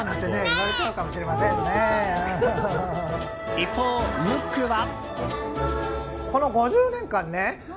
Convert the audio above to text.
一方、ムックは。